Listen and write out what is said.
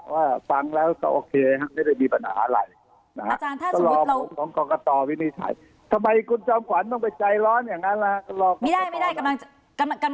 ว่าฟังแล้วก็โอเคไม่ได้มีปัญหาอะไรนะครับ